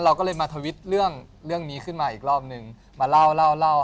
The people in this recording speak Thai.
เราก็เลยมาทวิตเรื่องเรื่องนี้ขึ้นมาอีกรอบนึงมาเล่าเล่าเล่า